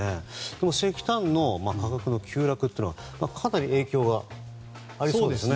でも、石炭の価格の急落はかなり影響がありそうですね。